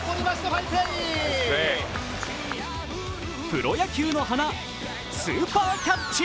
プロ野球の華、スーパーキャッチ。